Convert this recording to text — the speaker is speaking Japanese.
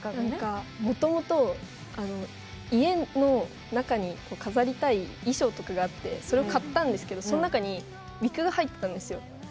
もともと家の中に飾りたい衣装とかがあってそれを買ったんですけどその中にウィッグが入ってたんですよ。